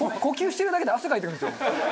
呼吸してるだけで汗かいてくるんですよ。